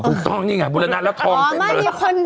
ถูกต้องนี่ไงบุรณะแล้วทองเป็นเบอร์